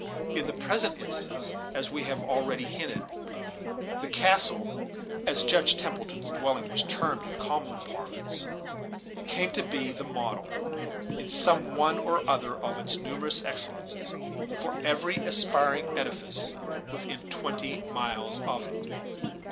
In the present instance, as we have already hinted, the castle, as Judge Templeton's dwelling was termed in common parlance, came to be the model, in some one or other of its numerous excellences, for every aspiring edifice within twenty miles of it.